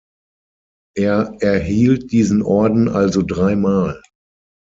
Er erhielt diesen Orden also dreimal.